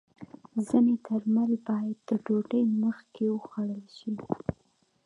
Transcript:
ځینې درمل باید د ډوډۍ مخکې وخوړل شي.